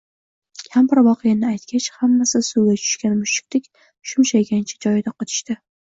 Kampir voqeani aytgach, hammasi suvga tushgan mushukdek shumshaygancha joyida qotishdi